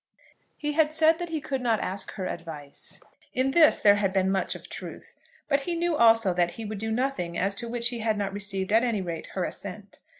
He had said that he could not ask her advice. In this there had been much of truth. But he knew also that he would do nothing as to which he had not received at any rate her assent.